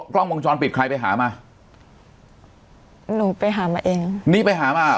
กล้องวงจรปิดใครไปหามาหนูไปหามาเองนี่ไปหามา